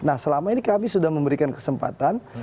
nah selama ini kami sudah memberikan kesempatan